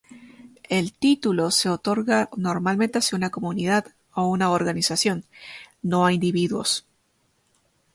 El título se otorga normalmente hacia una comunidad o una organización, no a individuos.